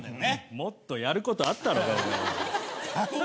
もっとやることあったろうが。